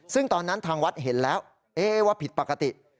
ซึ่งตอนนั้นทางวัดเห็นแล้วว่าผิดปกติ